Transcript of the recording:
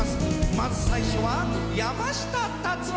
まず最初は山下達郎。